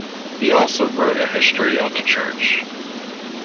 He also wrote a history of the church.